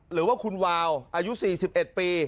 หรือว่าคุณวาวอายุ๔๑ปี